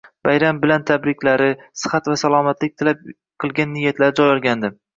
bayram bilan tabriklari, sihat va salomatlik tilab qilgan niyatlari joy olgandi.